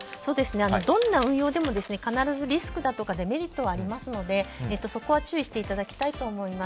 どんな運用でも必ずリスクやデメリットはありますのでそこは注意していただきたいです。